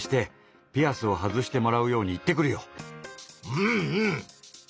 うんうん！